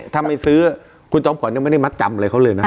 ถ้าไม่ซื้อคุณจอมขวัญยังไม่ได้มัดจำอะไรเขาเลยนะ